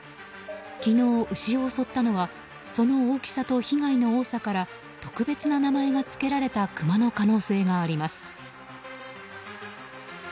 昨日、牛を襲ったのはその大きさと被害の多さから特別な名前が付けられたクマの可能性があります。